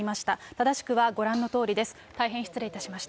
正しくはご覧のとおりです。